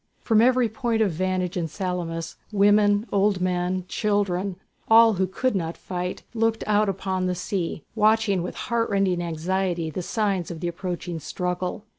From every point of vantage in Salamis, women, old men, children, all who could not fight, looked out upon the sea, watching with heart rending anxiety the signs of the approaching struggle.